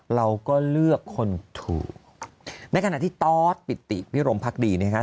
เราก็เลือกคนถูกในขณะที่ตอสปิติพิรมพักดีนะครับ